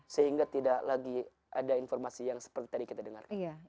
sehingga tidak lagi ada informasi yang seperti tadi kita dengarkan